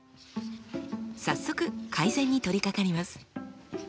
早速改善に取りかかります。